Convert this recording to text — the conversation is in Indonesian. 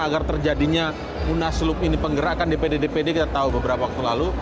agar terjadinya unah selup ini penggerakkan di pd dpd kita tahu beberapa waktu lalu